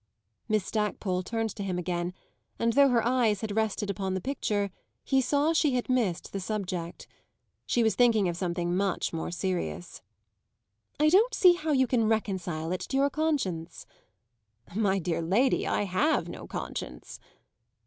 Miss Stackpole turned to him again, and, though her eyes had rested upon the picture, he saw she had missed the subject. She was thinking of something much more serious. "I don't see how you can reconcile it to your conscience." "My dear lady, I have no conscience!"